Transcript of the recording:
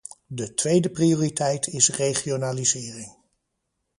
De tweede prioriteit is regionalisering.